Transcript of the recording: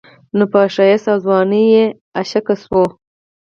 نو پۀ ښايست او ځوانۍ يې عاشقه شوه